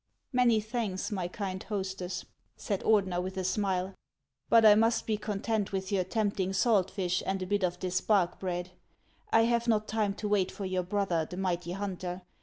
" Many thanks, my kind hostess," said Ordener, with a smile ;" but I must be content with your tempting salt Hsh and a bit of this bark bread. 1 have not time to wait for your brother, the mighty hunter.